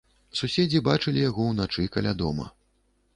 Суседзі бачылі яго ўначы каля дома.